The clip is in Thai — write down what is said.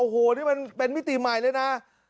โอ้โหนี่มันเป็นมิติใหม่เลยนะ